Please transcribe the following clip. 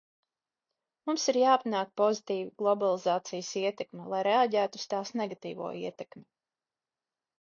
Mums ir jāpanāk pozitīva globalizācijas ietekme, lai reaģētu uz tās negatīvo ietekmi.